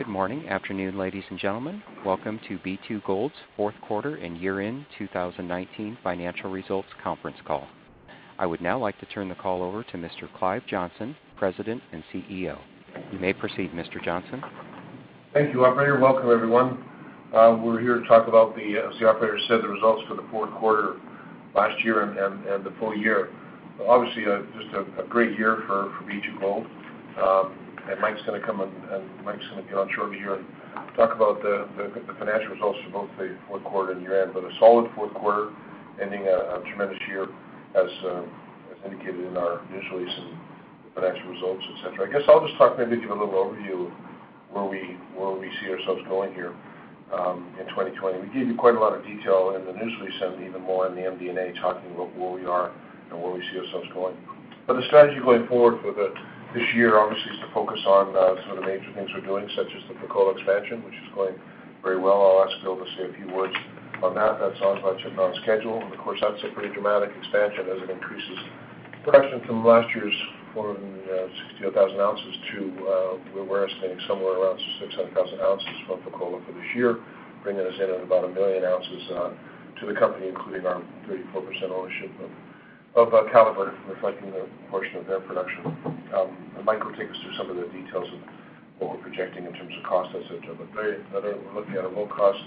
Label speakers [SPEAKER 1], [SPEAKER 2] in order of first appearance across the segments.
[SPEAKER 1] Good morning, afternoon, ladies and gentlemen. Welcome to B2Gold's fourth quarter and year-end 2019 financial results conference call. I would now like to turn the call over to Mr. Clive Johnson, President and CEO. You may proceed, Mr. Johnson.
[SPEAKER 2] Thank you, operator. Welcome, everyone. We're here to talk about the, as the operator said, the results for the fourth quarter last year and the full year. Obviously, just a great year for B2Gold. Mike's going to get on shortly here and talk about the financial results for both the fourth quarter and year-end, but a solid fourth quarter ending a tremendous year, as indicated in our news release and financial results, et cetera. I guess I'll just talk, maybe give a little overview of where we see ourselves going here in 2020. We gave you quite a lot of detail in the news release and even more in the MD&A, talking about where we are and where we see ourselves going. The strategy going forward for this year, obviously, is to focus on some of the major things we're doing, such as the Fekola expansion, which is going very well. I'll ask Bill to say a few words on that. That's on budget, on schedule, and of course, that's a pretty dramatic expansion as it increases production from last year's 460,000 ounces to we're estimating somewhere around 600,000 ounces from Fekola for this year, bringing us in at about 1 million ounces to the company, including our 34% ownership of Calibre, reflecting the portion of their production. Mike will take us through some of the details of what we're projecting in terms of cost, et cetera. We're looking at a low-cost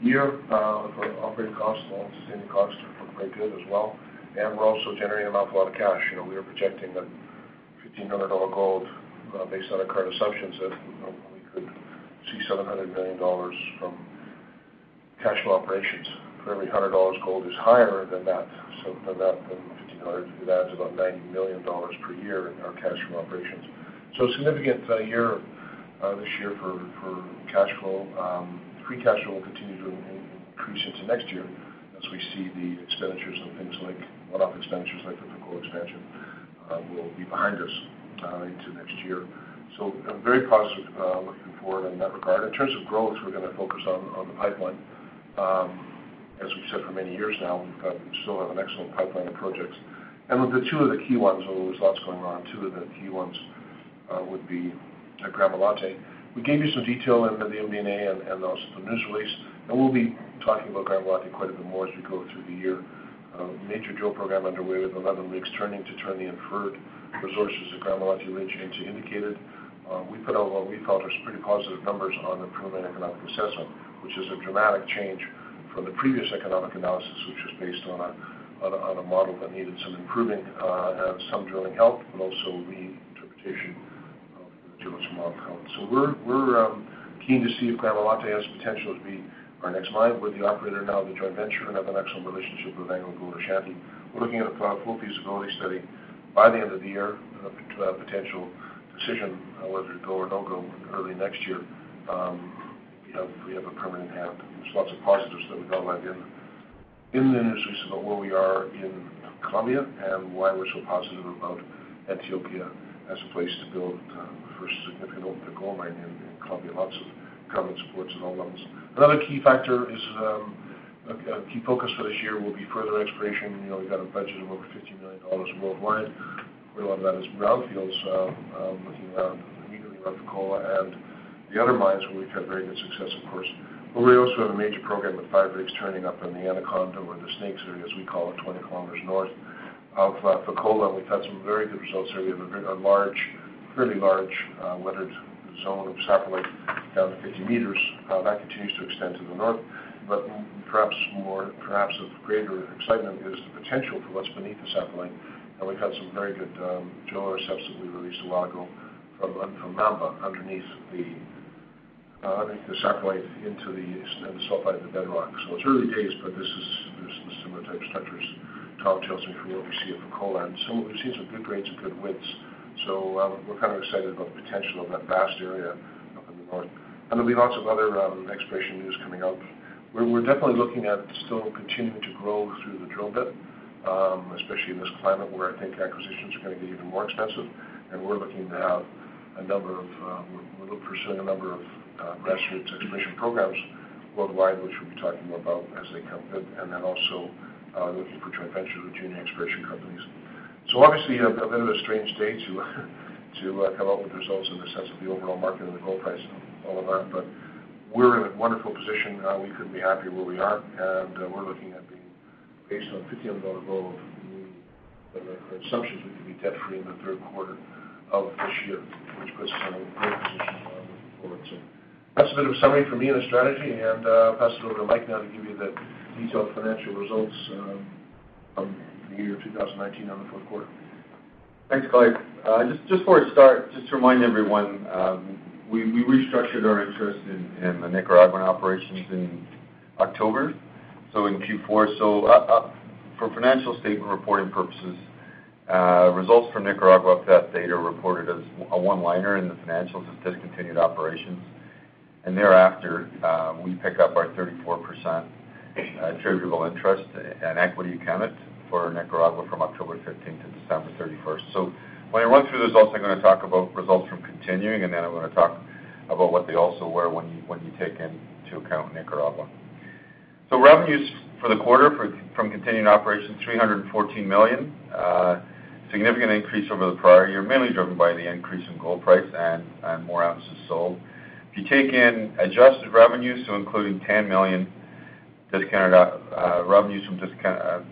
[SPEAKER 2] year for operating costs. All-in sustaining costs look pretty good as well, and we're also generating an awful lot of cash. We are projecting that $1,500 gold based on our current assumptions that we could see $700 million from cash flow operations. For every $100 gold is higher than that, so from that $1,500, it adds about $90 million per year in our cash from operations. Significant year this year for cash flow. Free cash flow will continue to increase into next year as we see the expenditures on things like one-off expenditures, like the Fekola expansion will be behind us into next year. I'm very positive looking forward in that regard. In terms of growth, we're going to focus on the pipeline. As we've said for many years now, we still have an excellent pipeline of projects. The two of the key ones, although there's lots going on, two of the key ones would be Gramalote. We gave you some detail in the MD&A and also the news release. We'll be talking about Gramalote quite a bit more as we go through the year. A major drill program underway with 11 rigs turning to turn the inferred resources of Gramalote into indicated. We put out what we felt was pretty positive numbers on the preliminary economic assessment, which is a dramatic change from the previous economic analysis, which was based on a model that needed some improving and some drilling help. Also reinterpretation of the drill to rock code. We're keen to see if Gramalote has potential to be our next mine. We're the operator now of the joint venture and have an excellent relationship with Agnico Eagle and Ashanti. We're looking at a full feasibility study by the end of the year to have potential decision whether to go or no-go early next year. We have a permanent hab. There's lots of positives that we outlined in the news release about where we are in Colombia and why we're so positive about Ethiopia as a place to build our first significant open pit gold mine in Colombia. Lots of government supports at all levels. Another key factor is a key focus for this year will be further exploration. We've got a budget of over $50 million worldwide. A lot of that is brownfields, looking around immediately around Fekola and the other mines where we've had very good success, of course. We also have a major program with five rigs turning up in the Anaconda or the Snakes area, as we call it, 20 kilometers north of Fekola. We've had some very good results there. We have a fairly large weathered zone of saprolite down to 50 meters. That continues to extend to the north, perhaps of greater excitement is the potential for what's beneath the saprolite. We've had some very good drill intercepts that we released a while ago from Mamba underneath the saprolite into the sulfide of the bedrock. It's early days, there's some of the type structures Tom tells me from what we see at Fekola and some of we've seen some good grades and good widths. We're kind of excited about the potential of that vast area up in the north. There'll be lots of other exploration news coming out. We're definitely looking at still continuing to grow through the drill bit especially in this climate where I think acquisitions are going to get even more expensive. We're pursuing a number of grassroots exploration programs worldwide, which we'll be talking about as they come in, and then also looking for joint ventures with junior exploration companies. Obviously, a bit of a strange day to come up with results in the sense of the overall market and the gold price and all of that. We're in a wonderful position. We couldn't be happier where we are. We're looking at being based on $1,500 gold, the assumptions we could be debt-free in the third quarter of this year, which puts us in a great position going forward. That's a bit of a summary from me on the strategy, and I'll pass it over to Mike now to give you the detailed financial results of the year 2019 on the fourth quarter.
[SPEAKER 3] Thanks, Clive. Just for a start, just to remind everyone, we restructured our interest in the Nicaraguan operations in October, in Q4. For financial statement reporting purposes, results from Nicaragua up to that date are reported as a one-liner in the financials as discontinued operations. Thereafter, we pick up our 34% attributable interest and equity account for Nicaragua from October 15th to December 31st. When I run through the results, I'm going to talk about results from continuing, and then I'm going to talk about what they also were when you take into account Nicaragua. Revenues for the quarter from continuing operations $314 million, a significant increase over the prior year, mainly driven by the increase in gold price and more ounces sold. If you take in adjusted revenues, including $10 million revenues from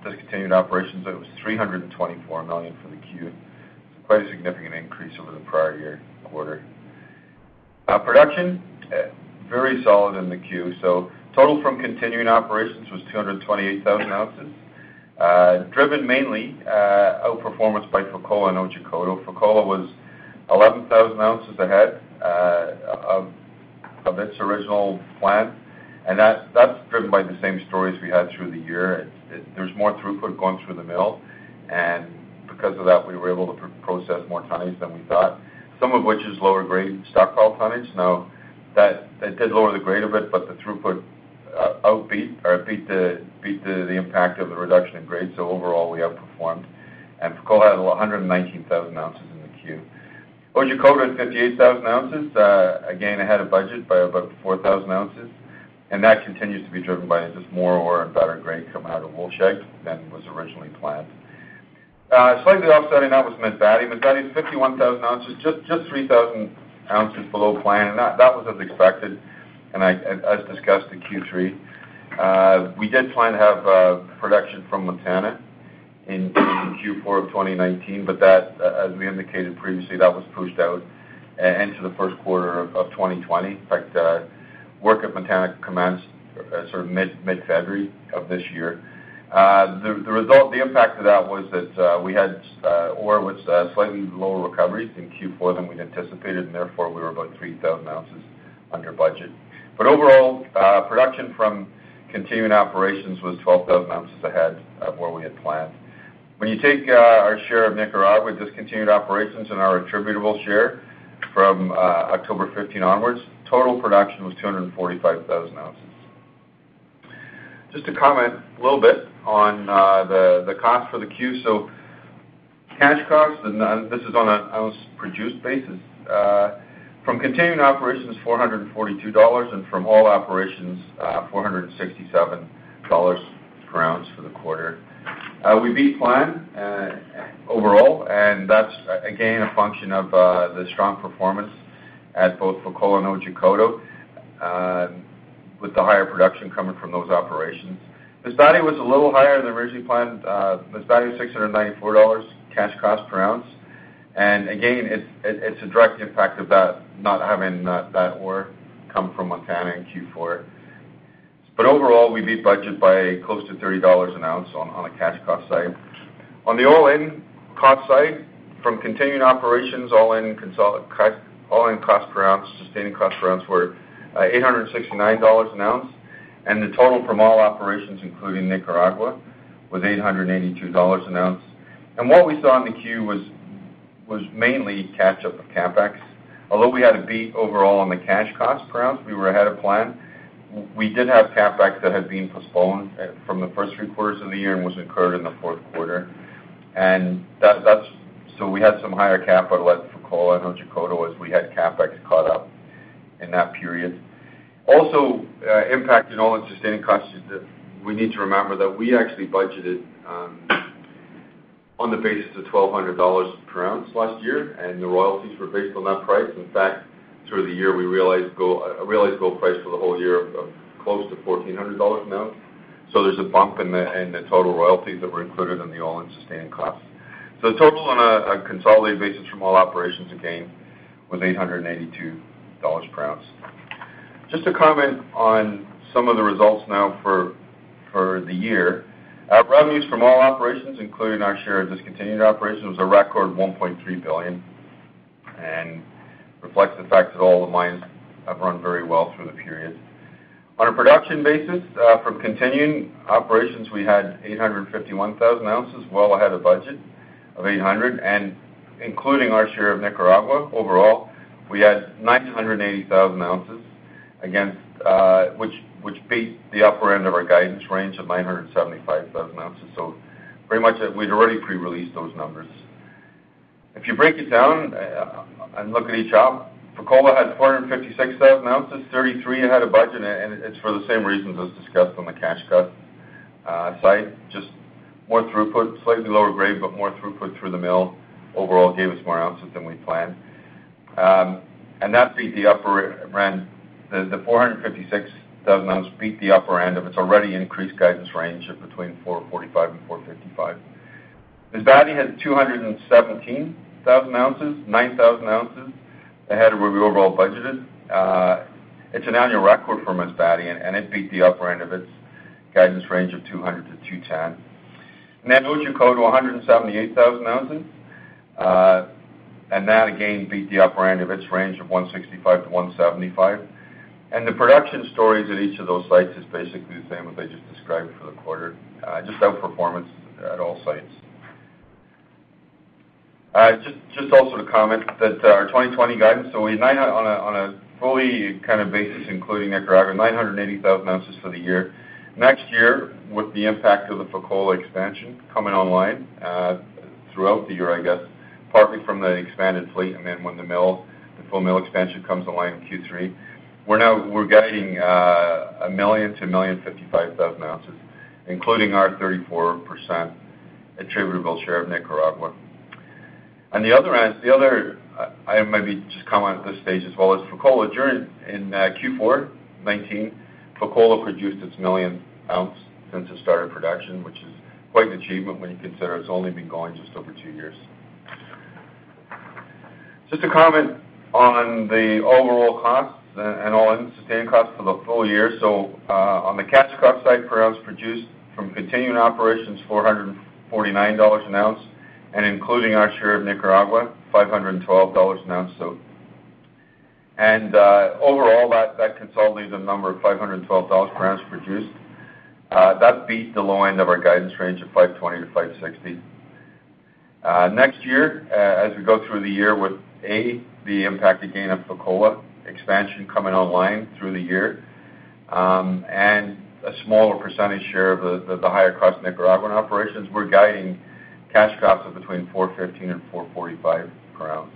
[SPEAKER 3] discontinued operations, it was $324 million for the Q. It's quite a significant increase over the prior year quarter. Production, very solid in the Q. Total from continuing operations was 228,000 ounces, driven mainly outperformance by Fekola and Otjikoto. Fekola was 11,000 ounces ahead of its original plan, and that's driven by the same stories we had through the year. There's more throughput going through the mill, and because of that, we were able to process more tonnage than we thought, some of which is lower grade stockpile tonnage. Now, it did lower the grade a bit, but the throughput beat the impact of the reduction in grade, so overall, we outperformed, and Fekola had 119,000 ounces in the Q. Otjikoto had 58,000 ounces, again, ahead of budget by about 4,000 ounces, and that continues to be driven by just more ore and better grade coming out of Wolfshag than was originally planned. Slightly offsetting that was Masbate. Masbate is 51,000 ounces, just 3,000 ounces below plan. That was as expected, and as discussed in Q3. We did plan to have production from Montana in Q4 of 2019, but that, as we indicated previously, that was pushed out into the first quarter of 2020. In fact, work at Montana commenced mid-February of this year. The impact of that was that we had ore with slightly lower recoveries in Q4 than we'd anticipated, and therefore, we were about 3,000 ounces under budget. Overall, production from continuing operations was 12,000 ounces ahead of where we had planned. When you take our share of Nicaragua discontinued operations and our attributable share from October 15 onwards, total production was 245,000 ounces. Just to comment a little bit on the cost for the Q. Cash costs, and this is on an ounce produced basis, from continuing operations, $442, and from all operations, $467 per ounce for the quarter. We beat plan overall, that's, again, a function of the strong performance at both Fekola and Otjikoto, with the higher production coming from those operations. Masbate was a little higher than originally planned. Masbate was $694 cash cost per ounce. Again, it's a direct impact of that not having that ore come from Monjas West in Q4. Overall, we beat budget by close to $30 an ounce on a cash cost side. On the all-in cost side, from continuing operations, all-in cost per ounce, sustaining cost per ounce were $869 an ounce, the total from all operations, including Nicaragua, was $882 an ounce. What we saw in the Q was mainly catch-up of CapEx. Although we had a beat overall on the cash cost per ounce, we were ahead of plan, we did have CapEx that had been postponed from the first three quarters of the year and was incurred in the fourth quarter. We had some higher cap at Fekola and Otjikoto as we had CapEx caught up in that period. Also impacting all-in sustaining costs is that we need to remember that we actually budgeted on the basis of $1,200 per ounce last year, and the royalties were based on that price. In fact, through the year, we realized gold price for the whole year of close to $1,400 an ounce. There's a bump in the total royalties that were included in the all-in sustaining costs. Total on a consolidated basis from all operations, again, was $882 per ounce. Just to comment on some of the results now for the year. Our revenues from all operations, including our share of discontinued operations, was a record $1.3 billion and reflects the fact that all the mines have run very well through the period. On a production basis, from continuing operations, we had 851,000 ounces, well ahead of budget of 800. Including our share of Nicaragua, overall, we had 980,000 ounces, which beat the upper end of our guidance range of 975,000 ounces. Pretty much we'd already pre-released those numbers. If you break it down and look at each op, Fekola had 456,000 ounces, 33 ahead of budget. It's for the same reasons as discussed on the cash cost side, just more throughput, slightly lower grade, more throughput through the mill overall gave us more ounces than we planned. The 456,000 ounces beat the upper end of its already increased guidance range of between 445 and 455 ounces. Masbate had 217,000 ounces, 9,000 ounces ahead of where we overall budgeted. It's an annual record for Masbate, and it beat the upper end of its guidance range of 200 ounces-210 ounces. Otjikoto, 178,000 ounces, and that again beat the upper end of its range of 165 ounces-175 ounces. The production stories at each of those sites is basically the same as I just described for the quarter, just outperformance at all sites. Just also to comment that our 2020 guidance, so on a fully kind of basis, including Nicaragua, 980,000 ounces for the year. Next year, with the impact of the Fekola expansion coming online throughout the year, I guess, partly from the expanded fleet, and then when the full mill expansion comes online in Q3. We're guiding 1 million to 1,055,000 ounces, including our 34% attributable share of Nicaragua. On the other end, I maybe just comment at this stage as well, is Fekola. During Q4 2019, Fekola produced its millionth ounce since it started production, which is quite an achievement when you consider it's only been going just over two years. Just to comment on the overall costs and all-in sustaining costs for the full year. On the cash cost side, per ounce produced from continuing operations, $449 an ounce, and including our share of Nicaragua, $512 an ounce. Overall, that consolidated number of $512 per ounce produced, that beat the low end of our guidance range of $520-$560. Next year, as we go through the year with, A, the impacted gain of Fekola expansion coming online through the year, and a smaller percentage share of the higher cost Nicaraguan operations, we're guiding cash costs of between $415 and $445 per ounce.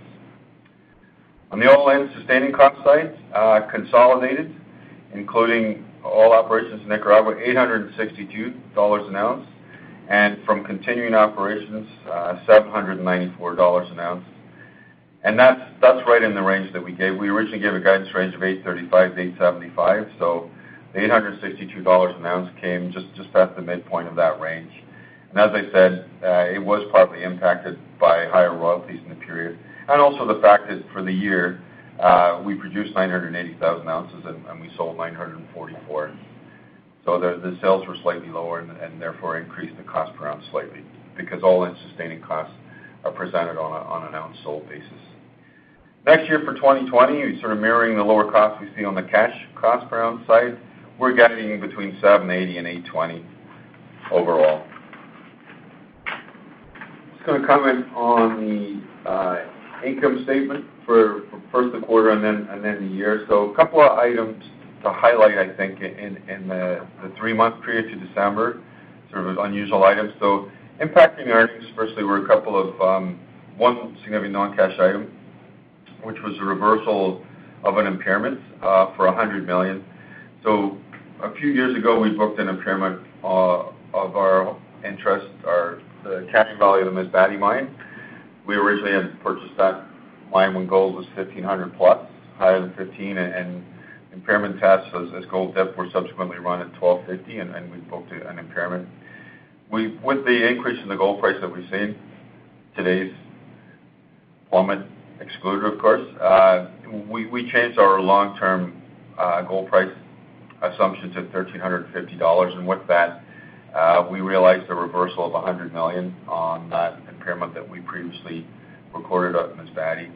[SPEAKER 3] On the all-in sustaining cost side, consolidated, including all operations in Nicaragua, $862 an ounce, and from continuing operations, $794 an ounce. That's right in the range that we gave. We originally gave a guidance range of $835 to $875, $862 an ounce came just past the midpoint of that range. As I said, it was partly impacted by higher royalties in the period, and also the fact that for the year, we produced 980,000 ounces and we sold 944,000. The sales were slightly lower and therefore increased the cost per ounce slightly because all-in sustaining costs are presented on an ounce sold basis. Next year for 2020, sort of mirroring the lower cost you see on the cash cost per ounce side, we're guiding between $780 and $820 overall. I'm just going to comment on the income statement for first the quarter and then the year. A couple of items to highlight, I think, in the three-month period to December, sort of as unusual items. Impacting earnings, firstly, were a couple of, one significant non-cash item, which was a reversal of an impairment for $100 million. A few years ago, we booked an impairment of our interest, the carrying value of the Masbate mine. We originally had purchased that mine when gold was $1,500-plus, higher than 15, and impairment tests as gold therefore subsequently run at $1,250 and we booked an impairment. With the increase in the gold price that we've seen, today's plummet excluded of course, we changed our long-term gold price assumptions of $1,350 and with that, we realized a reversal of $100 million on that impairment that we previously recorded at Masbate.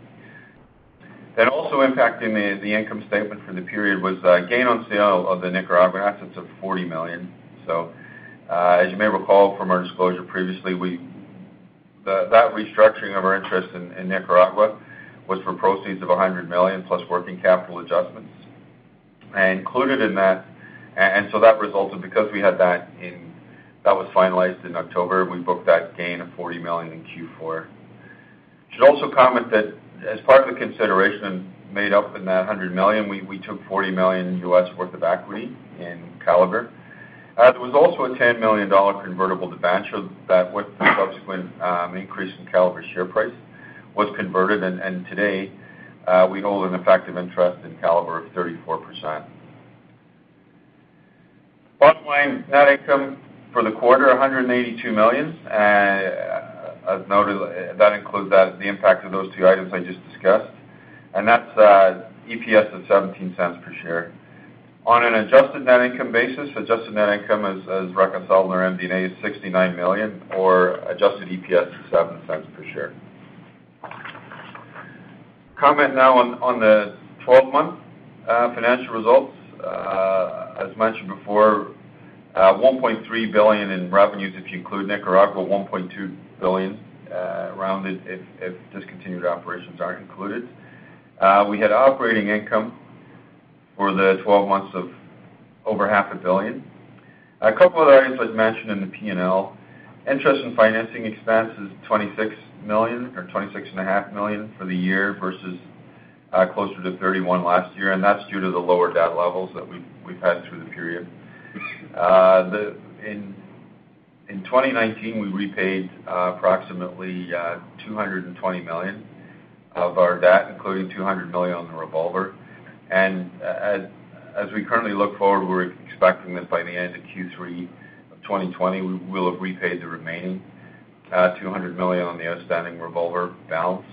[SPEAKER 3] Also impacting the income statement for the period was a gain on sale of the Nicaragua assets of $40 million. As you may recall from our disclosure previously, that restructuring of our interest in Nicaragua was for proceeds of $100 million plus working capital adjustments. Included in that resulted because we had that and that was finalized in October, we booked that gain of $40 million in Q4. Should also comment that as part of the consideration made up in that $100 million, we took $40 million U.S. worth of equity in Calibre. There was also a $10 million convertible debenture that with the subsequent increase in Calibre share price was converted and today we hold an effective interest in Calibre of 34%. Bottom line, net income for the quarter, $182 million. As noted, that includes the impact of those two items I just discussed, and that's EPS of $0.17 per share. On an adjusted net income basis, adjusted net income as reconciled in our MD&A is $69 million or adjusted EPS of $0.07 per share. Comment now on the 12-month financial results. As mentioned before, $1.3 billion in revenues if you include Nicaragua, $1.2 billion rounded if discontinued operations are included. We had operating income for the 12 months of over $500,000,000. A couple of other items I'd mentioned in the P&L, interest in financing expense is $26 million or $26.5 million for the year versus closer to $31 last year. That's due to the lower debt levels that we've had through the period. In 2019, we repaid approximately $220 million of our debt, including $200 million on the revolver. As we currently look forward, we're expecting that by the end of Q3 of 2020, we will have repaid the remaining $200 million on the outstanding revolver balance.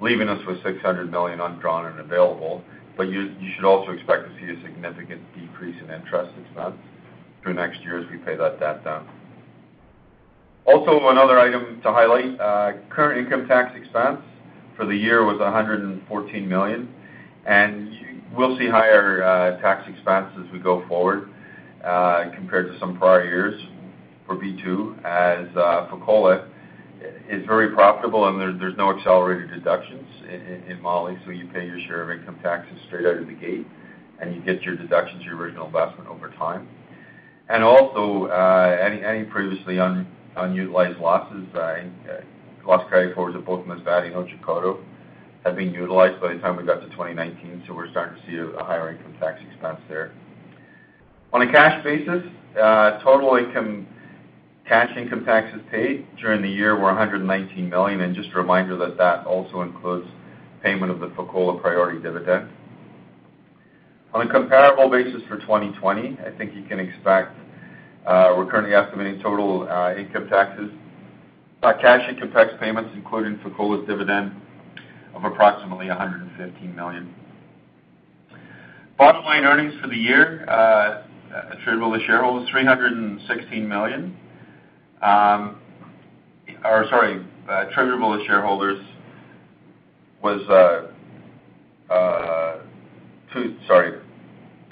[SPEAKER 3] Leaving us with $600 million undrawn and available. You should also expect to see a significant decrease in interest expense through next year as we pay that debt down. Another item to highlight, current income tax expense for the year was $114 million, we'll see higher tax expense as we go forward compared to some prior years for B2 as Fekola is very profitable and there's no accelerated deductions in Mali, so you pay your share of income taxes straight out of the gate, and you get your deductions, your original investment over time. Any previously unutilized losses, loss carryforwards at both Masbate and Otjikoto have been utilized by the time we got to 2019. We're starting to see a higher income tax expense there. On a cash basis, total cash income taxes paid during the year were $119 million, and just a reminder that that also includes payment of the Fekola priority dividend. On a comparable basis for 2020, I think you can expect we're currently estimating total income taxes, cash income tax payments, including Fekola's dividend, of approximately $115 million. Bottom line earnings for the year, attributable to shareholders, $316 million. Attributable to shareholders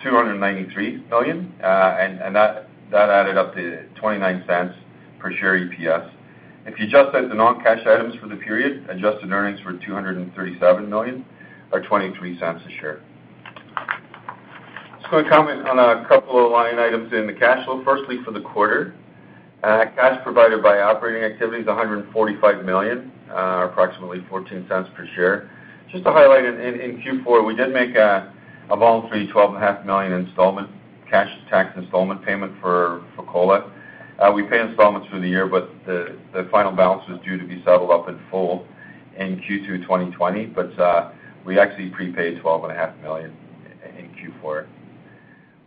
[SPEAKER 3] $293 million, and that added up to $0.29 per share EPS. If you adjust out the non-cash items for the period, adjusted earnings were $237 million or $0.23 a share. Just going to comment on a couple of line items in the cash flow, firstly, for the quarter. Cash provided by operating activity is $145 million, approximately $0.14 per share. Just to highlight, in Q4, we did make a voluntary $12.5 million installment, cash tax installment payment for Fekola. We pay installments through the year, but the final balance was due to be settled up in full in Q2 2020, but we actually prepaid $12.5 million in Q4.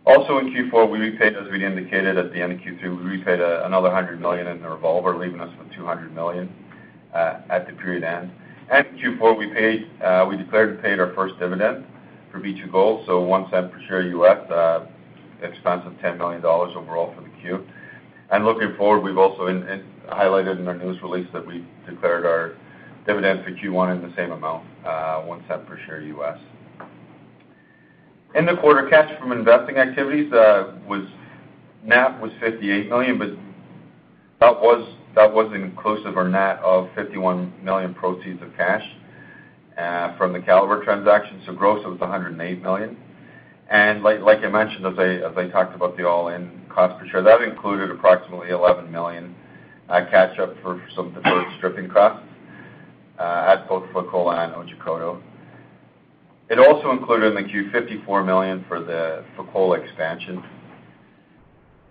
[SPEAKER 3] Also in Q4, we repaid, as we indicated at the end of Q2, we repaid another $100 million in the revolver, leaving us with $200 million at the period end. Q4, we declared and paid our first dividend for B2Gold, so $0.01 per share U.S., expense of $10 million overall for the Q. Looking forward, we've also highlighted in our news release that we declared our dividend for Q1 in the same amount, $0.01 per share U.S. In the quarter, cash from investing activities was net was $58 million, but that was inclusive or net of $51 million proceeds of cash from the Calibre transaction. Gross, it was $108 million. Like I mentioned, as I talked about the all-in cost per share, that included approximately $11 million catch up for some deferred stripping costs at both Fekola and Otjikoto. It also included in the Q $54 million for the Fekola expansion.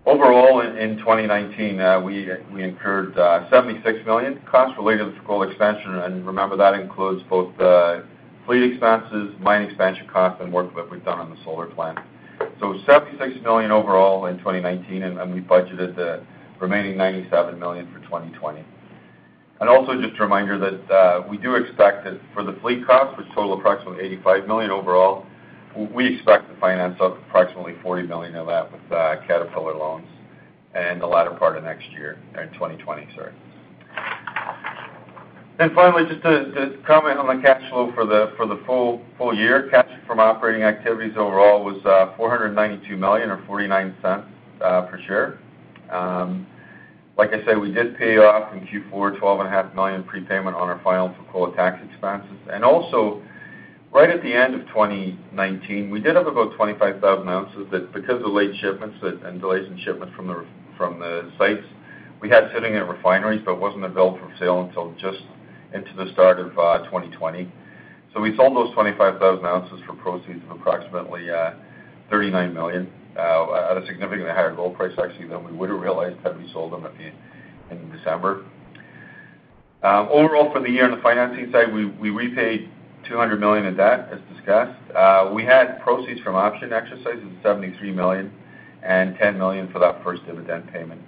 [SPEAKER 3] Overall, in 2019, we incurred $76 million costs related to Fekola expansion. Remember, that includes both the fleet expenses, mine expansion costs, and work that we've done on the solar plant. $76 million overall in 2019, and we budgeted the remaining $97 million for 2020. Also, just a reminder that we do expect that for the fleet cost, which total approximately $85 million overall, we expect to finance up approximately $40 million of that with Caterpillar loans in the latter part of next year, in 2020, sorry. Finally, just to comment on the cash flow for the full year. Cash from operating activities overall was $492 million or $0.49 per share. Like I said, we did pay off in Q4 $12.5 million prepayment on our final Fekola tax expenses. Also, right at the end of 2019, we did have about 25,000 ounces that because of late shipments and delays in shipments from the sites, we had sitting at refineries, but it wasn't available for sale until just into the start of 2020. We sold those 25,000 ounces for proceeds of approximately $39 million at a significantly higher gold price, actually, than we would have realized had we sold them in December. Overall, for the year, on the financing side, we repaid $200 million in debt, as discussed. We had proceeds from option exercises of $73 million and $10 million for that first dividend payment.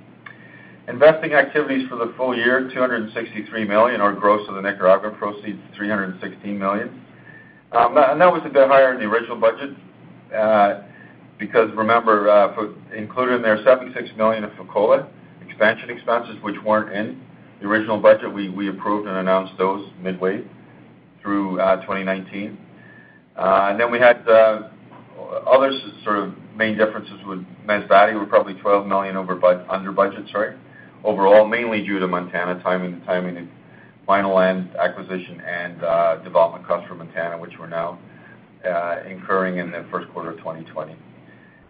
[SPEAKER 3] Investing activities for the full year, $263 million, or gross of the Nicaragua proceeds, $316 million. That was a bit higher than the original budget, because remember, included in there, $76 million of Fekola expansion expenses, which weren't in the original budget. We approved and announced those midway through 2019. We had other sort of main differences with Masbate were probably $12 million under budget overall, mainly due to Monjas West timing, the timing of mine lands acquisition, and development costs for Monjas West, which we're now incurring in the first quarter of 2020.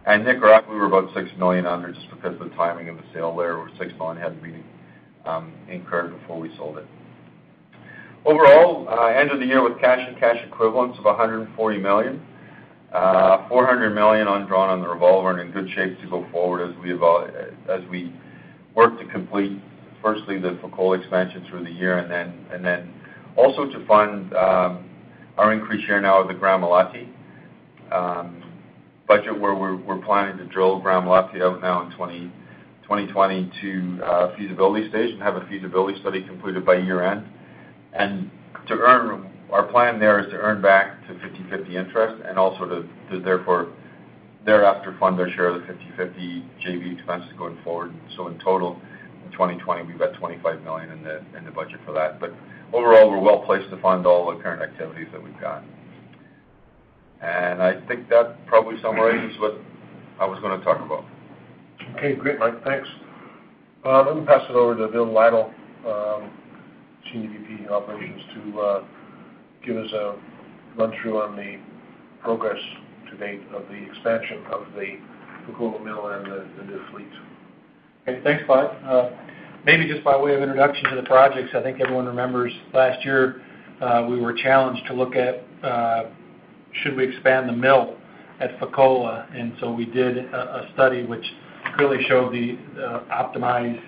[SPEAKER 3] Nicaragua, we were about $6 million under just because of the timing of the sale there, where $6 million hadn't been incurred before we sold it. Overall, end of the year with cash and cash equivalents of $140 million. $400 million undrawn on the revolver and in good shape to go forward as we work to complete, firstly, the Fekola expansion through the year, and then also to fund our increased share now of the Gramalote budget, where we're planning to drill Gramalote out now in 2020 to feasibility stage and have a feasibility study completed by year-end. Our plan there is to earn back to 50/50 interest and also to, therefore, thereafter fund our share of the 50/50 JV expenses going forward. In total, in 2020, we've got $25 million in the budget for that. Overall, we're well-placed to fund all the current activities that we've got. I think that probably summarizes what I was going to talk about.
[SPEAKER 2] Okay, great, Mike. Thanks. Let me pass it over to Bill Lytle Senior VP Operations to give us a run through on the progress to date of the expansion of the Fekola mill and the new fleet.
[SPEAKER 4] Okay, thanks, Bob. Maybe just by way of introduction to the projects, I think everyone remembers last year, we were challenged to look at should we expand the mill at Fekola. We did a study which really showed optimizing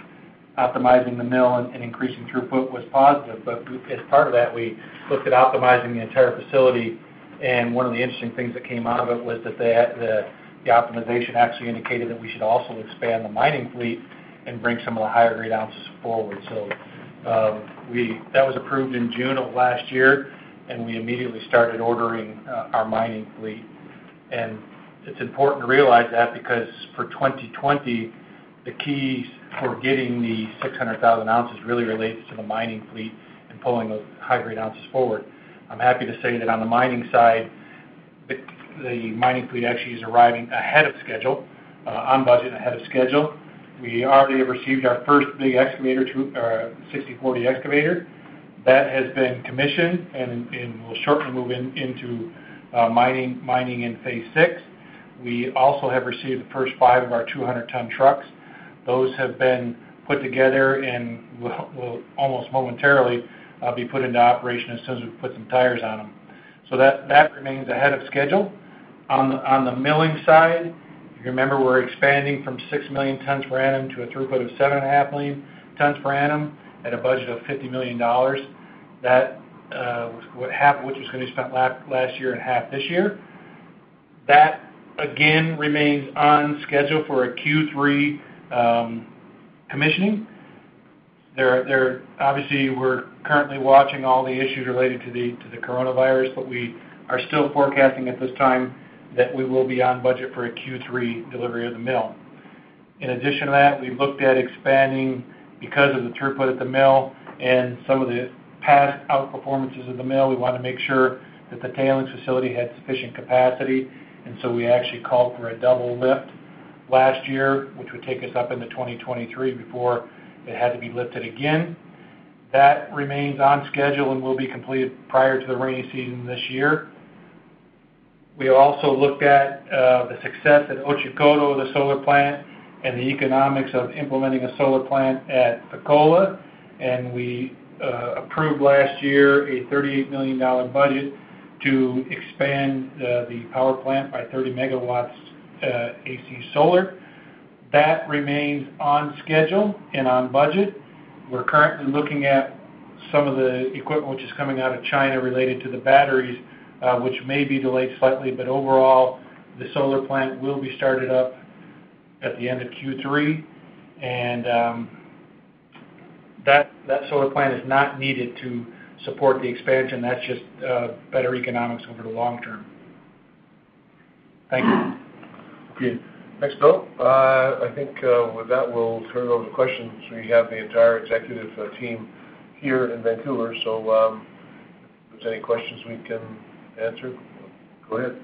[SPEAKER 4] the mill and increasing throughput was positive. As part of that, we looked at optimizing the entire facility, and one of the interesting things that came out of it was that the optimization actually indicated that we should also expand the mining fleet and bring some of the higher-grade ounces forward. That was approved in June of last year, and we immediately started ordering our mining fleet. It's important to realize that because for 2020, the keys for getting the 600,000 ounces really relates to the mining fleet and pulling those high-grade ounces forward. I'm happy to say that on the mining side, the mining fleet actually is arriving on budget, ahead of schedule. We already have received our first big 6040 excavator. That has been commissioned and will shortly move into mining in phase VI. We also have received the first five of our 200-ton trucks. Those have been put together and will almost momentarily be put into operation as soon as we put some tires on them. That remains ahead of schedule. On the milling side, if you remember, we're expanding from 6 million tons per annum to a throughput of 7.5 million tons per annum at a budget of $50 million. Half of which was going to be spent last year and half this year. That again remains on schedule for a Q3 commissioning. Obviously, we're currently watching all the issues related to the coronavirus, but we are still forecasting at this time that we will be on budget for a Q3 delivery of the mill. In addition to that, we've looked at expanding because of the throughput at the mill and some of the past outperformances of the mill, we want to make sure that the tailings facility had sufficient capacity, and so we actually called for a double lift last year, which would take us up into 2023 before it had to be lifted again. That remains on schedule and will be completed prior to the rainy season this year. We also looked at the success at Ouagounou, the solar plant, and the economics of implementing a solar plant at Fekola, and we approved last year a $38 million budget to expand the power plant by 30 MW AC solar. That remains on schedule and on budget. We're currently looking at some of the equipment which is coming out of China related to the batteries, which may be delayed slightly. Overall, the solar plant will be started up at the end of Q3, and that solar plant is not needed to support the expansion. That's just better economics over the long term. Thank you.
[SPEAKER 2] Okay. Thanks, Bill. I think, with that, we'll turn it over to questions. We have the entire executive team here in Vancouver, so if there's any questions we can answer, go ahead.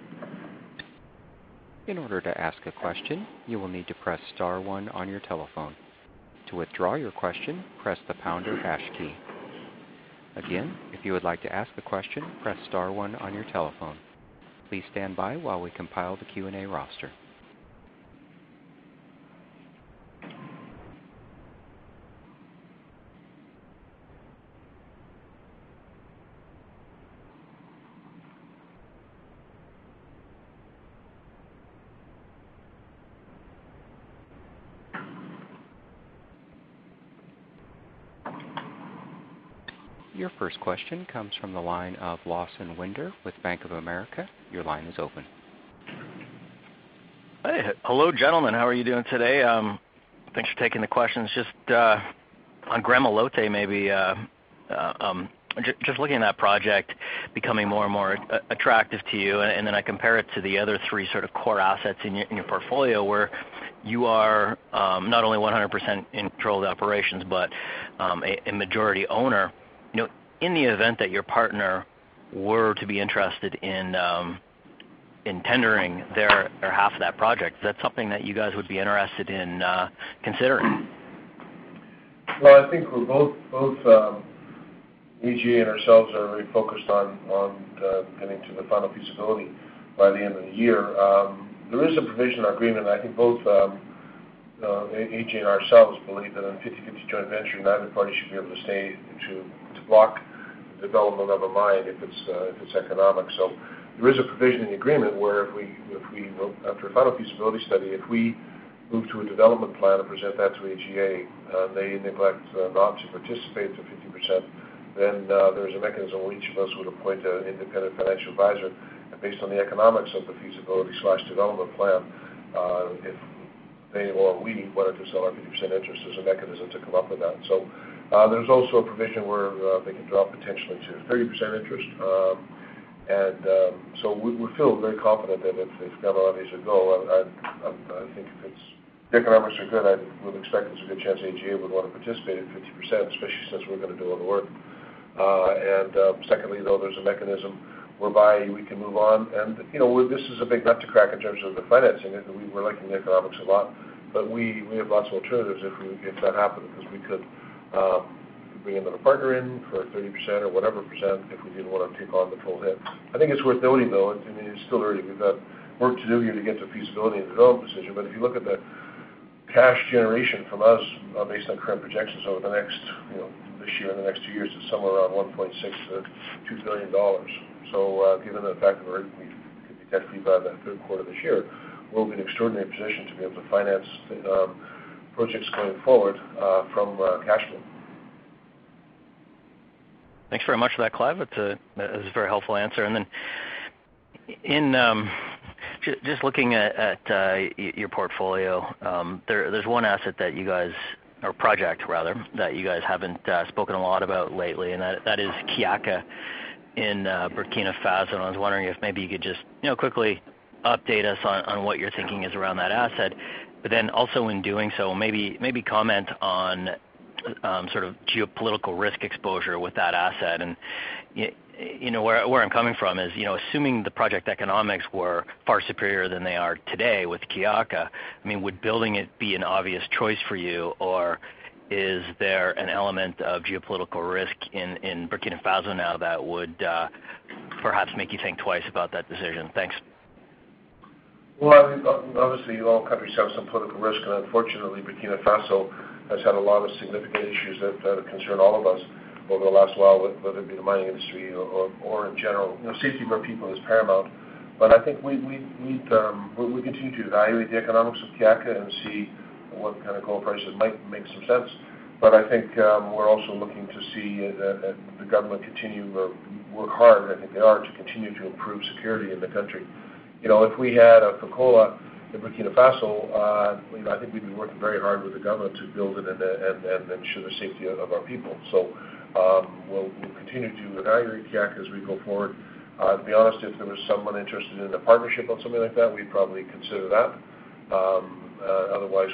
[SPEAKER 1] In order to ask a question, you will need to press star one on your telephone. To withdraw your question, press the pound or hash key. Again, if you would like to ask a question, press star one on your telephone. Please stand by while we compile the Q&A roster. Your first question comes from the line of Lawson Winder with Bank of America. Your line is open.
[SPEAKER 5] Hey. Hello, gentlemen. How are you doing today? Thanks for taking the questions. Just on Gramalote, maybe, just looking at that project becoming more and more attractive to you, and then I compare it to the other three core assets in your portfolio where you are not only 100% in controlled operations but a majority owner. In the event that your partner were to be interested in tendering their half of that project, is that something that you guys would be interested in considering?
[SPEAKER 2] Well, I think both AGA and ourselves are very focused on getting to the final feasibility by the end of the year. There is a provision in our agreement. I think both AGA and ourselves believe that on a 50/50 joint venture, neither party should be able to block the development of a mine if it's economic. There is a provision in the agreement where after a final feasibility study, if we move to a development plan and present that to AGA, they neglect and opt to participate to 50%, there's a mechanism where each of us would appoint an independent financial advisor, and based on the economics of the feasibility/development plan, if they or we wanted to sell our 50% interest, there's a mechanism to come up with that. There's also a provision where they can drop potentially to a 30% interest. We feel very confident that if Gramalote is a go, I think if its economics are good, I would expect there's a good chance AGA would want to participate at 50%, especially since we're going to do all the work. Secondly, though, there's a mechanism whereby we can move on. This is a big nut to crack in terms of the financing. We're liking the economics a lot, but we have lots of alternatives if that happens, because we could bring another partner in for 30% or whatever percent if we didn't want to take on the full hit. I think it's worth noting, though, it's still early. We've got work to do here to get to feasibility and a development decision. If you look at the cash generation from us based on current projections over this year and the next two years is somewhere around $1.6 billion-$2 billion. Given the fact that we get feedback that third quarter of this year, we'll be in an extraordinary position to be able to finance projects going forward from cash flow.
[SPEAKER 5] Thanks very much for that, Clive. That's a very helpful answer. Then, just looking at your portfolio, there's one asset that you guys, or project rather, that you guys haven't spoken a lot about lately, and that is Kiaka in Burkina Faso. I was wondering if maybe you could just quickly update us on what your thinking is around that asset. Also in doing so, maybe comment on geopolitical risk exposure with that asset. Where I'm coming from is assuming the project economics were far superior than they are today with Kiaka, would building it be an obvious choice for you or is there an element of geopolitical risk in Burkina Faso now that would perhaps make you think twice about that decision? Thanks.
[SPEAKER 2] Well, obviously, all countries have some political risk, and unfortunately, Burkina Faso has had a lot of significant issues that concern all of us over the last while, whether it be the mining industry or in general. Safety of our people is paramount. I think we continue to evaluate the economics of Kiaka and see what kind of gold prices might make some sense. I think we're also looking to see the government continue to work hard, I think they are, to continue to improve security in the country. If we had Fekola in Burkina Faso, I think we'd be working very hard with the government to build it and ensure the safety of our people. We'll continue to evaluate Kiaka as we go forward. To be honest, if there was someone interested in a partnership on something like that, we'd probably consider that. Otherwise,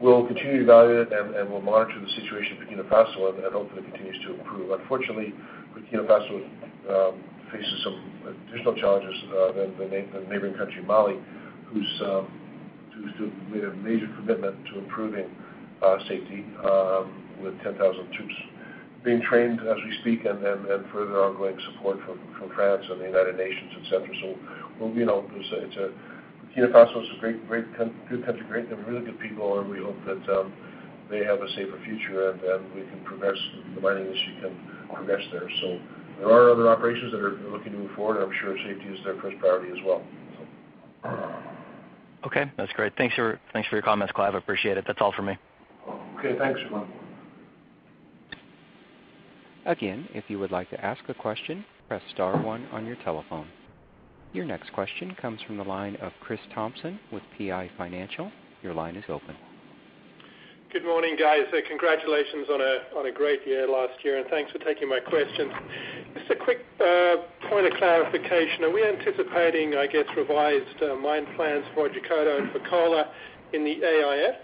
[SPEAKER 2] we'll continue to evaluate it. We'll monitor the situation in Burkina Faso and hope that it continues to improve. Unfortunately, Burkina Faso faces some additional challenges than the neighboring country, Mali, who's made a major commitment to improving safety with 10,000 troops being trained as we speak and further ongoing support from France and the United Nations, et cetera. Burkina Faso is a good country, really good people, and we hope that they have a safer future, and the mining industry can progress there. There are other operations that are looking to move forward. I'm sure safety is their first priority as well.
[SPEAKER 5] Okay, that's great. Thanks for your comments, Clive. I appreciate it. That's all for me.
[SPEAKER 2] Okay, thanks.
[SPEAKER 1] Again, if you would like to ask a question, press star one on your telephone. Your next question comes from the line of Chris Thompson with PI Financial. Your line is open.
[SPEAKER 6] Good morning, guys. Congratulations on a great year last year. Thanks for taking my questions. Just a quick point of clarification. Are we anticipating, I guess, revised mine plans for Otjikoto and Fekola in the AIF?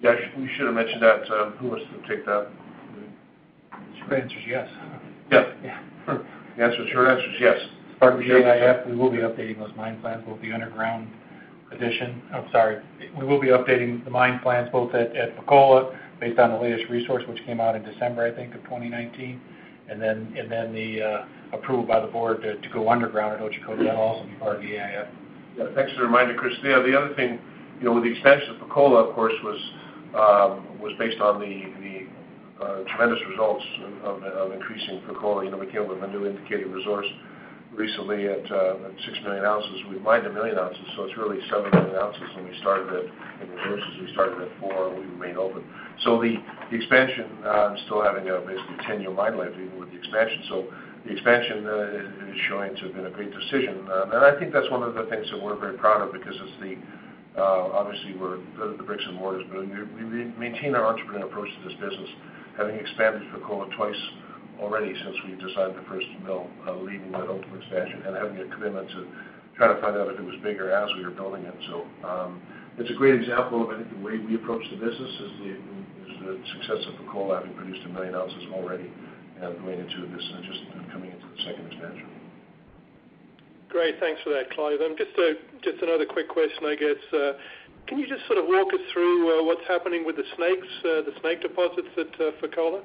[SPEAKER 2] Yeah, we should have mentioned that. Who wants to take that?
[SPEAKER 7] The short answer is yes.
[SPEAKER 2] Yeah. The short answer is yes.
[SPEAKER 7] As part of the AIF, we will be updating those mine plans. I'm sorry. We will be updating the mine plans both at Fekola based on the latest resource, which came out in December, I think, of 2019, and then the approval by the board to go underground at Otjikoto. That'll also be part of the AIF.
[SPEAKER 2] Yeah, thanks for the reminder, Chris. The other thing, with the expansion of Fekola, of course, was based on the tremendous results of increasing Fekola. We came up with a new indicated resource recently at 6 million ounces. We mined 1 million ounces, so it's really 7 million ounces, and we started at, in resources, we started at four when we remained open. The expansion, still having a basically 10-year mine life even with the expansion. The expansion is showing to have been a great decision. I think that's one of the things that we're very proud of because obviously we're the bricks and mortars, but we maintain our entrepreneurial approach to this business, having expanded Fekola twice already since we decided to first mill, leaving the ultimate expansion and having a commitment to trying to find out if it was bigger as we were building it. It's a great example of, I think, the way we approach the business is the success of Fekola having produced 1 million ounces already and going into this and just coming into the second expansion.
[SPEAKER 6] Great. Thanks for that, Clive. Just another quick question, I guess. Can you just sort of walk us through what's happening with the Snakes, the Snake deposits at Fekola?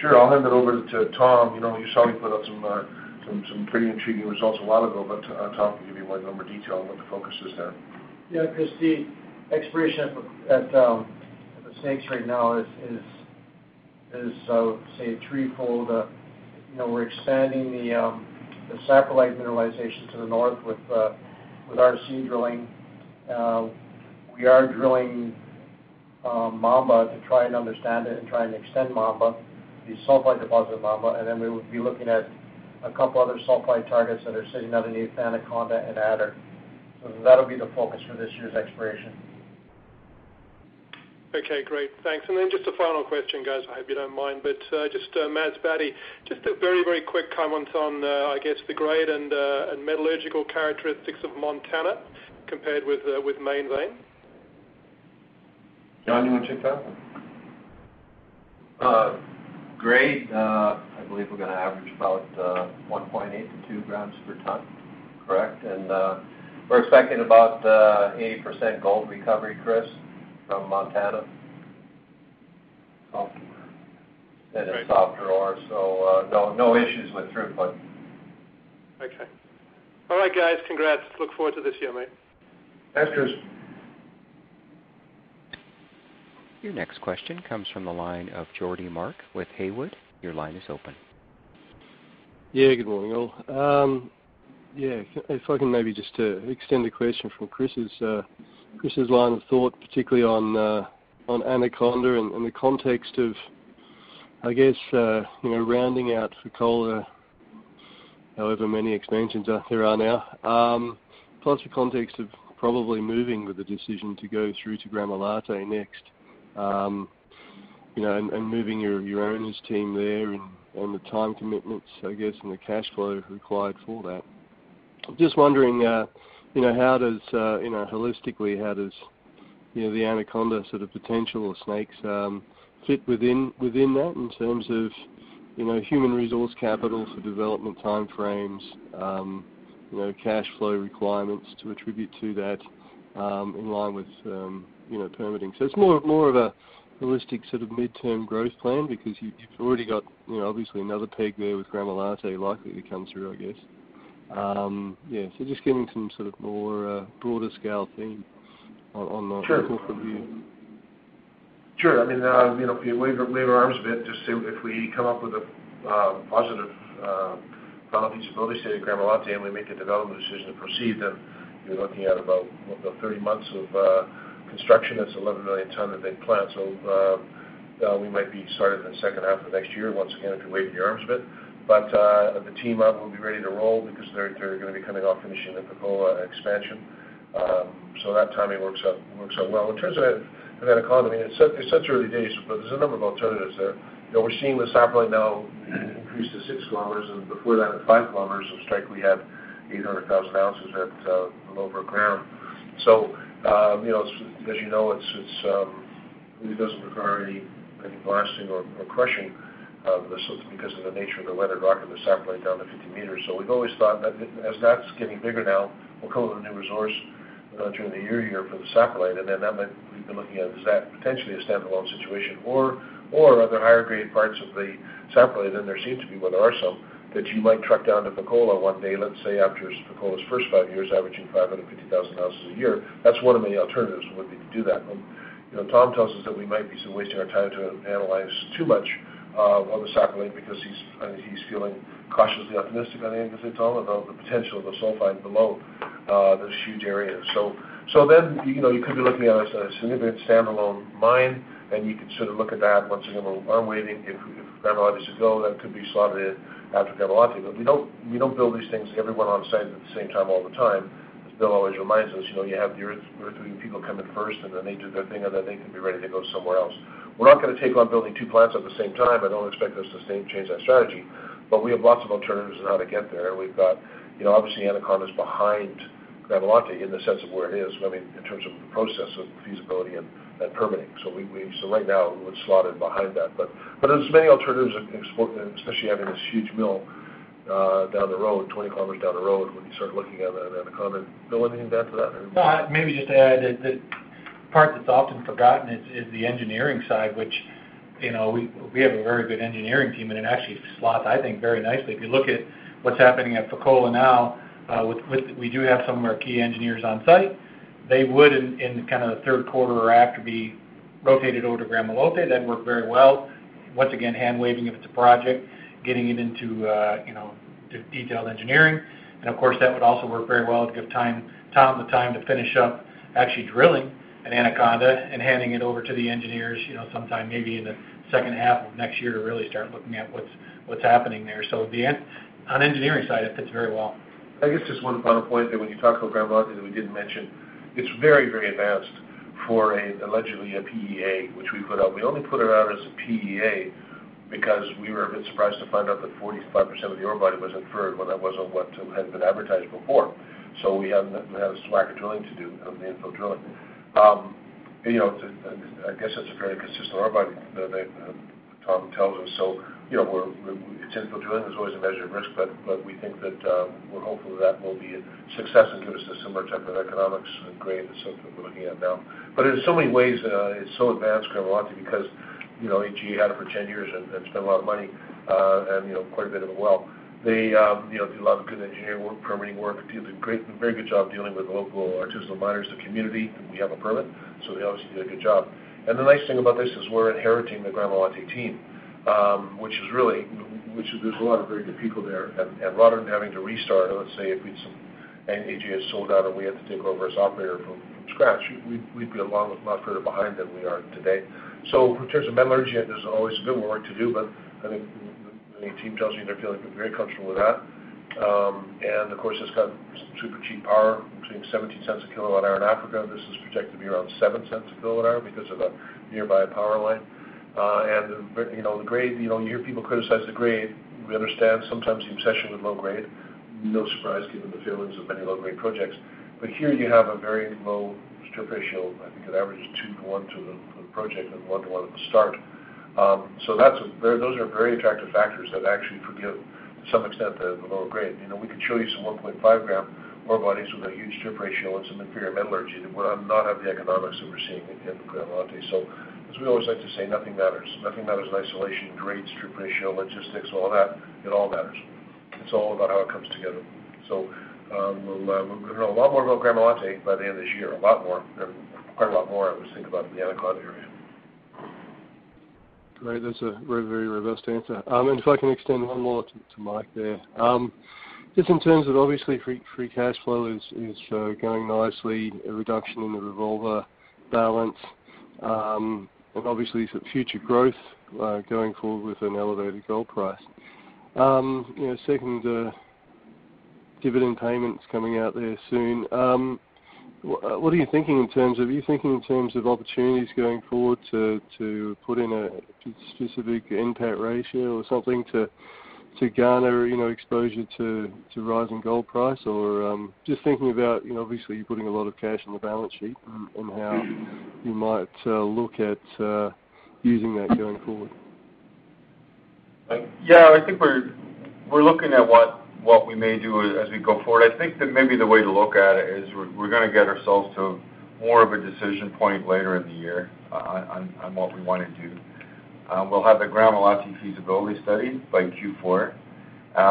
[SPEAKER 2] Sure. I'll hand it over to Tom. You saw me put out some pretty intriguing results a while ago, Tom can give you a lot more detail on what the focus is there.
[SPEAKER 7] Yeah, Chris, the exploration at the Snakes right now is, say, threefold. We're expanding the satellite mineralization to the north with our C drilling. We are drilling Mamba to try and understand it and try and extend Mamba, the sulfide deposit Mamba, and then we will be looking at a couple other sulfide targets that are sitting underneath Anaconda and Adder. That'll be the focus for this year's exploration.
[SPEAKER 6] Okay, great. Thanks. Just a final question, guys, I hope you don't mind, but just Masbate, just a very, very quick comment on, I guess, the grade and metallurgical characteristics of Montana compared with Main Vein.
[SPEAKER 4] John, you want to chip that one?
[SPEAKER 2] Great. I believe we're going to average about 1.8 to 2 grams per tonne. Correct? We're expecting about 80% gold recovery, Chris, from Monjas West. It's top drawer, so no issues with throughput.
[SPEAKER 6] Okay. All right, guys. Congrats. Look forward to this year, mate.
[SPEAKER 2] Thanks, Chris.
[SPEAKER 1] Your next question comes from the line of Geordie Mark with Haywood. Your line is open.
[SPEAKER 8] Yeah, good morning, all. If I can maybe just extend the question from Chris' line of thought, particularly on Anaconda and the context of, I guess, rounding out Fekola, however many expansions there are now. The context of probably moving with the decision to go through to Gramalote next, and moving your owners team there and on the time commitments, I guess, and the cash flow required for that. Just wondering, holistically, how does the Anaconda potential or snakes fit within that in terms of human resource capital for development time frames, cash flow requirements to attribute to that in line with permitting? It's more of a holistic sort of midterm growth plan because you've already got obviously another peg there with Gramalote likely to come through, I guess.
[SPEAKER 2] Sure
[SPEAKER 8] Overall view.
[SPEAKER 2] Sure. Wave our arms a bit just to say if we come up with a positive final feasibility study at Gramalote and we make a development decision to proceed, then you're looking at about 30 months of construction. That's an 11 million tonne a big plant. We might be starting in the second half of next year, once again, if you wave your arms a bit. The team up will be ready to roll because they're going to be coming off finishing the Fekola expansion. That timing works out well. In terms of Anaconda, it's such early days, but there's a number of alternatives there. We're seeing the satellite now increase to six kilometers and before that at five kilometers of strike, we had 800,000 ounces at below ground. As you know, it really doesn't require any blasting or crushing of the sorts because of the nature of the weathered rock of the saprolite down to 50 meters. We've always thought that as that's getting bigger now, we'll call it a new resource during the year here for the saprolite, and then that meant we've been looking at is that potentially a standalone situation or are there higher grade parts of the saprolite than there seem to be, well there are some, that you might truck down to Fekola one day, let's say after Fekola's first five years averaging 550,000 ounces a year. That's one of many alternatives would be to do that. Tom tells us that we might be wasting our time to analyze too much of the saprolite because he's feeling cautiously optimistic, I think he said, Tom, about the potential of the sulfide below this huge area. You could be looking at a significant standalone mine, and you could look at that once again, arm waving, if Gramalote is a go, that could be slotted in after Gramalote. We don't build these things everyone on site at the same time all the time. As Bill always reminds us, you have your earth moving people come in first, and then they do their thing, and then they can be ready to go somewhere else. We're not going to take on building two plants at the same time. I don't expect us to change that strategy, but we have lots of alternatives on how to get there. Obviously, Anaconda's behind Gramalote in the sense of where it is, in terms of the process of feasibility and permitting. Right now it would slot in behind that. There's many alternatives, especially having this huge mill down the road, 20 kilometers down the road, when you start looking at Anaconda. Bill, anything to add to that?
[SPEAKER 4] Maybe just to add that the part that's often forgotten is the engineering side, which we have a very good engineering team and it actually slots, I think, very nicely. If you look at what's happening at Fekola now, we do have some of our key engineers on site. They would in the third quarter or after be rotated over to Gramalote. That'd work very well. Once again, hand waving if it's a project, getting it into detailed engineering. Of course, that would also work very well to give Tom the time to finish up actually drilling at Anaconda and handing it over to the engineers sometime maybe in the second half of next year to really start looking at what's happening there. On the engineering side, it fits very well.
[SPEAKER 2] I guess just one final point that when you talk about Gramalote that we didn't mention, it's very, very advanced for allegedly a PEA, which we put out. We only put it out as a PEA because we were a bit surprised to find out that 45% of the ore body was inferred when that wasn't what had been advertised before. We have a slack of drilling to do of the infill drilling. I guess it's a very consistent ore body that Tom tells us. It's infill drilling. There's always a measure of risk, we think that we're hopeful that will be a success and give us a similar type of economics and grade as something we're looking at now. In so many ways, it's so advanced, Gramalote, because AGA had it for 10 years and spent a lot of money, and quite a bit of it well. They do a lot of good engineering work, permitting work. They did a very good job dealing with the local artisanal miners, the community. We have a permit, they obviously did a good job. The nice thing about this is we're inheriting the Gramalote team, which there's a lot of very good people there. Rather than having to restart, let's say if AGA had sold out and we had to take over as operator from scratch, we'd be a lot further behind than we are today. In terms of metallurgy, and there's always a bit more work to do, but I think the team tells you they're feeling very comfortable with that. Of course, it's got super cheap power between $0.17 a kilowatt hour in Africa. This is projected to be around $0.07 a kilowatt hour because of a nearby power line. You hear people criticize the grade. We understand sometimes the obsession with low grade no surprise, given the failings of many low-grade projects. Here you have a very low strip ratio. I think it averages two to one to the project and one to one at the start. Those are very attractive factors that actually forgive to some extent the lower grade. We could show you some 1.5 gram ore bodies with a huge strip ratio and some inferior metallurgy that would not have the economics that we're seeing in Gramalote. As we always like to say, nothing matters. Nothing matters in isolation, grades, strip ratio, logistics, all that, it all matters. It's all about how it comes together. We'll know a lot more about Gramalote by the end of this year, a lot more, and quite a lot more I would think about the Anaconda area.
[SPEAKER 8] Great. That's a very reverse answer. If I can extend one more to Mike there. Just in terms of obviously free cash flow is going nicely, a reduction in the revolver balance, and obviously some future growth going forward with an elevated gold price. Second, the dividend payments coming out there soon. What are you thinking in terms of opportunities going forward to put in a specific NPAT ratio or something to garner exposure to rising gold price or just thinking about, obviously you're putting a lot of cash on the balance sheet and how you might look at using that going forward?
[SPEAKER 3] Yeah, I think we're looking at what we may do as we go forward. I think that maybe the way to look at it is we're going to get ourselves to more of a decision point later in the year on what we want to do. We'll have the Gramalote feasibility study by Q4.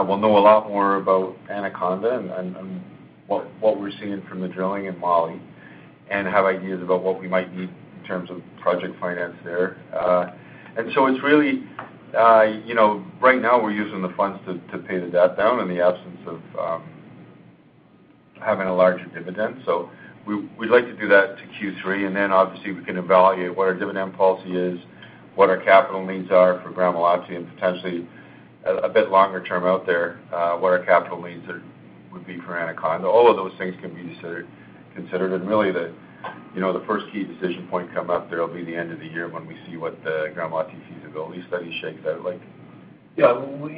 [SPEAKER 3] We'll know a lot more about Anaconda and what we're seeing from the drilling in Mali and have ideas about what we might need in terms of project finance there. Right now, we're using the funds to pay the debt down in the absence of having a larger dividend. We'd like to do that to Q3, and then obviously we can evaluate what our dividend policy is, what our capital needs are for Gramalote, and potentially a bit longer term out there, what our capital needs would be for Anaconda. All of those things can be considered, and really, the first key decision point come up there will be the end of the year when we see what the Gramalote feasibility study shakes out like.
[SPEAKER 2] Yeah, over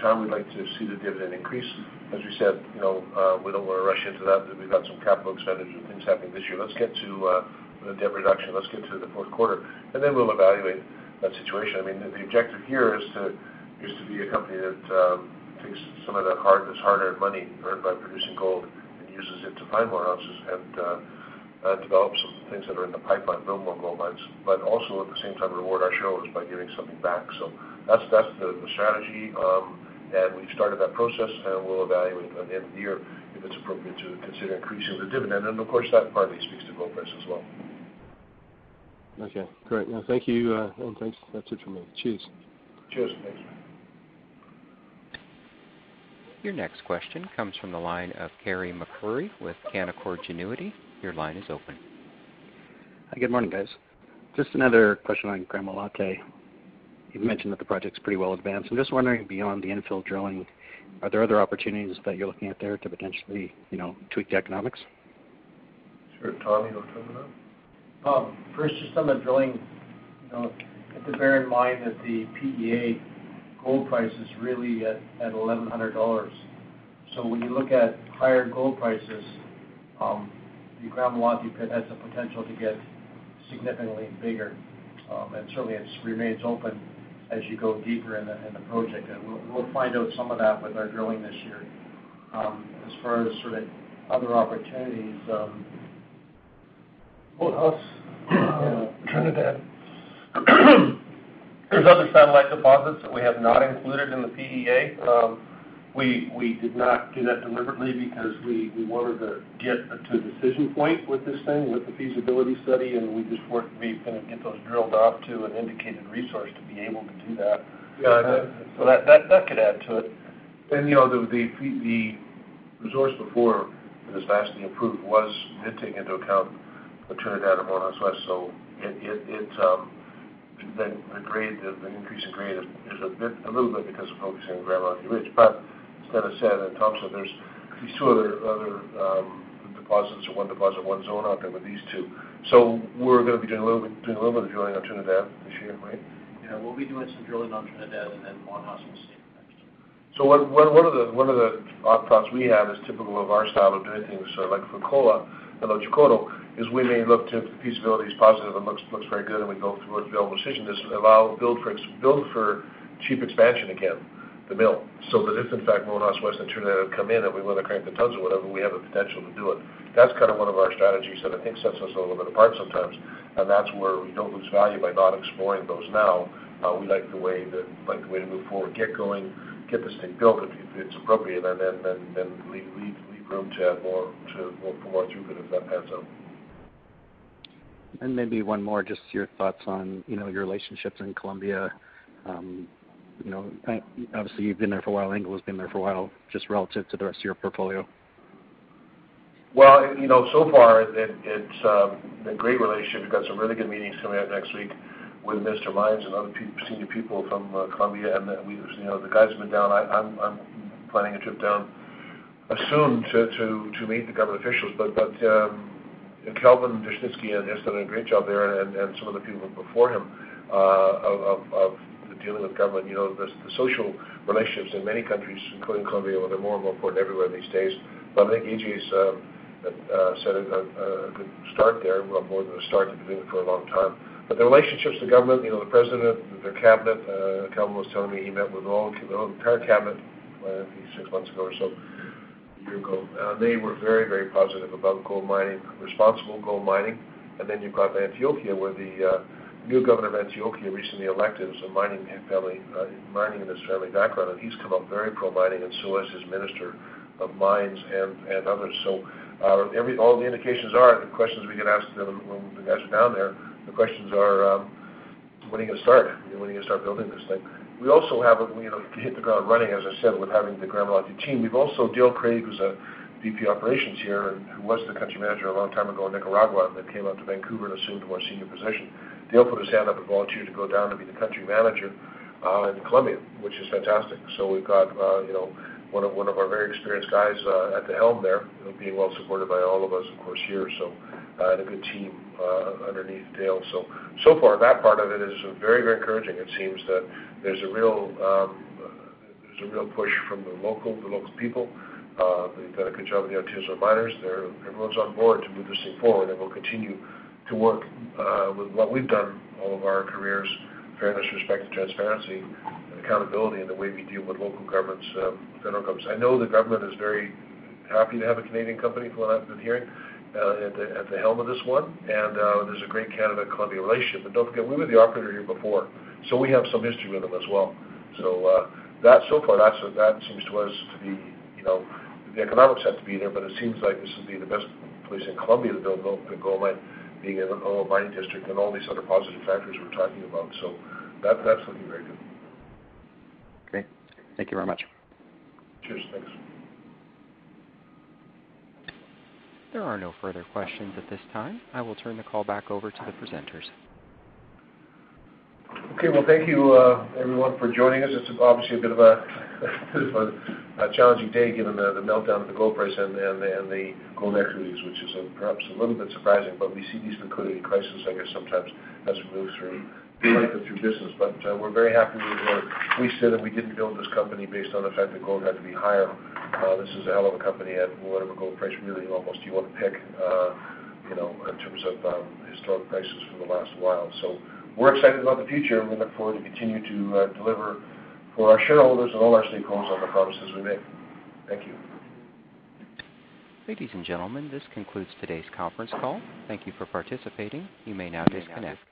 [SPEAKER 2] time, we'd like to see the dividend increase. As we said, we don't want to rush into that. We've got some capital expenditures and things happening this year. Let's get to the debt reduction. Let's get to the fourth quarter, and then we'll evaluate that situation. The objective here is to be a company that takes some of that hard-earned money earned by producing gold and uses it to find more ounces and develop some things that are in the pipeline, build more gold mines, but also at the same time reward our shareholders by giving something back. That's the strategy, and we've started that process, and we'll evaluate by the end of the year if it's appropriate to consider increasing the dividend, and of course, that partly speaks to gold price as well.
[SPEAKER 8] Okay, great. Thank you. Thanks. That's it from me. Cheers.
[SPEAKER 2] Cheers. Thanks.
[SPEAKER 1] Your next question comes from the line of Carey MacRury with Canaccord Genuity. Your line is open.
[SPEAKER 9] Hi, good morning, guys. Just another question on Gramalote. You've mentioned that the project's pretty well advanced. I'm just wondering, beyond the infill drilling, are there other opportunities that you're looking at there to potentially tweak the economics?
[SPEAKER 2] Sure. Tommy, do you want to talk about it?
[SPEAKER 7] First, just on the drilling, have to bear in mind that the PEA gold price is really at $1,100. When you look at higher gold prices, the Gramalote has the potential to get significantly bigger. Certainly it remains open as you go deeper in the project. We'll find out some of that with our drilling this year. As far as sort of other opportunities
[SPEAKER 2] Monjas, Trinidad.
[SPEAKER 10] There's other satellite deposits that we have not included in the PEA. We did not do that deliberately because we wanted to get to a decision point with this thing, with the feasibility study, and we just weren't going to get those drilled up to an indicated resource to be able to do that.
[SPEAKER 2] Yeah.
[SPEAKER 10] That could add to it.
[SPEAKER 2] The resource before it was vastly improved was not taking into account the Trinidad and Monjas West. The increase in grade is a little bit because of focusing on Gramalote Ridge. As Dennis said, and Tom said, there's these two other deposits or one deposit, one zone out there with these two. We're going to be doing a little bit of drilling on Trinidad this year, right?
[SPEAKER 7] Yeah, we'll be doing some drilling on Trinidad and then Monjas next year.
[SPEAKER 2] One of the odd thoughts we have is typical of our style of doing things, like for Fekola and Otjikoto, is we may look to the feasibility is positive and looks very good, and we go through a available decision is build for cheap expansion again, the mill, so that if in fact Monjas West and Trinidad come in and we want to crank the tons or whatever, we have the potential to do it. That's one of our strategies that I think sets us a little bit apart sometimes, and that's where we don't lose value by not exploring those now. We like the way to move forward, get going, get this thing built if it's appropriate, and then leave room to add more through if that pans out.
[SPEAKER 9] Maybe one more, just your thoughts on your relationships in Colombia. Obviously you've been there for a while, Anglo's been there for a while, just relative to the rest of your portfolio.
[SPEAKER 2] Well, so far it's been a great relationship. We've got some really good meetings coming up next week with Mr. Mines and other senior people from Colombia. The guys have been down. I'm planning a trip down soon to meet the government officials. Kelvin Dushnisky has done a great job there, and some of the people before him, of dealing with government. The social relationships in many countries, including Colombia, they're more and more important everywhere these days. I think AGA's set a good start there. Well, more than a start, they've been doing it for a long time. The relationships, the government, the president, their cabinet, Kelvin was telling me he met with the whole entire cabinet maybe 6 months ago or so, one year ago. They were very positive about gold mining, responsible gold mining. Then you've got Antioquia, where the new governor of Antioquia, recently elected, so mining in his family background, and he's come up very pro-mining, and so has his minister of mines and others. All the indications are, the questions we get asked when the guys are down there, the questions are, "When are you going to start? When are you going to start building this thing?" We also have to hit the ground running, as I said, with having the Gramalote team. We've also Dale Craig, who's a VP of operations here and who was the country manager a long time ago in Nicaragua, and then came up to Vancouver and assumed more senior position. Dale put his hand up and volunteered to go down to be the country manager, in Colombia, which is fantastic. We've got one of our very experienced guys at the helm there, being well supported by all of us, of course, here, and a good team underneath Dale. So far, that part of it is very encouraging. It seems that there's a real push from the local people. They've done a good job with the artisanal miners there. Everyone's on board to move this thing forward, and we'll continue to work with what we've done all of our careers, fairness, respect, and transparency and accountability in the way we deal with local governments, federal governments. I know the government is very happy to have a Canadian company, from what I've been hearing, at the helm of this one, and there's a great Canada-Colombia relationship. Don't forget, we were the operator here before, so we have some history with them as well. So far, the economics have to be there, it seems like this would be the best place in Colombia to build a gold mine, being in an old mining district and all these other positive factors we're talking about. That's looking very good.
[SPEAKER 9] Okay. Thank you very much.
[SPEAKER 2] Cheers. Thanks.
[SPEAKER 1] There are no further questions at this time. I will turn the call back over to the presenters.
[SPEAKER 2] Okay. Thank you, everyone for joining us. It's obviously a bit of a challenging day given the meltdown of the gold price and the gold equities, which is perhaps a little bit surprising. We see these liquidity crisis, I guess, sometimes as we move through life and through business. We said that we didn't build this company based on the fact that gold had to be higher. This is a hell of a company at whatever gold price, really, almost you want to pick, in terms of historic prices for the last while. We're excited about the future, and we look forward to continue to deliver for our shareholders and all our stakeholders on the promises we make. Thank you.
[SPEAKER 1] Ladies and gentlemen, this concludes today's conference call. Thank you for participating. You may now disconnect.